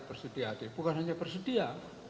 bersedia bukan hanya bersedia